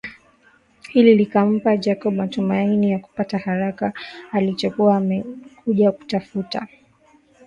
Hili likampa Jacob matumaini ya kupata haraka alichokuwa amekuja kutafuta